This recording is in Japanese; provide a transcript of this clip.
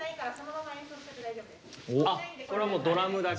あっこれはもうドラムだけ。